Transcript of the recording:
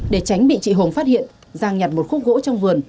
để tránh bị chị hùng phát hiện giang nhặt một khúc gỗ trong vườn